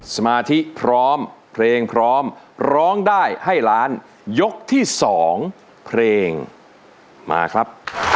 สมาธิพร้อมเพลงพร้อมร้องได้ให้ล้านยกที่สองเพลงมาครับ